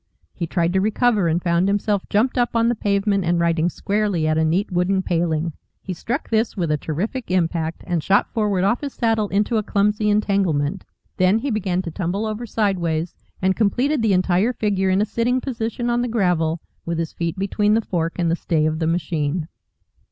He tried to recover, and found himself jumped up on the pavement and riding squarely at a neat wooden paling. He struck this with a terrific impact and shot forward off his saddle into a clumsy entanglement. Then he began to tumble over sideways, and completed the entire figure in a sitting position on the gravel, with his feet between the fork and the stay of the machine.